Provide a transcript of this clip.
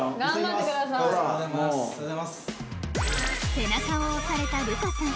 背中を押された流佳さん